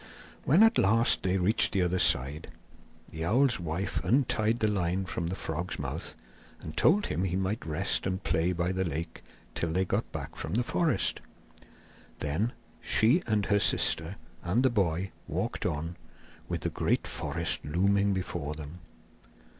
When at last they reached the other side, the owl's wife untied the line from the frog's mouth and told him he might rest and play by the lake till they got back from the forest. Then she and her sister and the boy walked on, with the great forest looming before them.